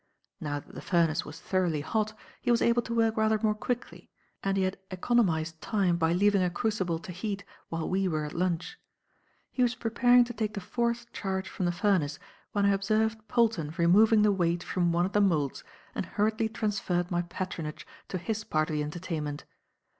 Now that the furnace was thoroughly hot, he was able to work rather more quickly, and he had economized time by leaving a crucible to heat while we were at lunch. He was preparing to take the fourth charge from the furnace when I observed Polton removing the weight from one of the moulds and hurriedly transferred my patronage to his part of the entertainment.